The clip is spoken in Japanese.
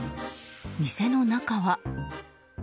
店の中は。